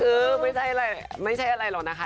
คือไม่ใช่อะไรหรอกนะคะ